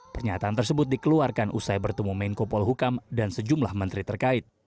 pernyataan tersebut dikeluarkan usai bertemu menko polhukam dan sejumlah menteri terkait